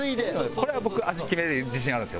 これは僕味決められる自信あるんですよ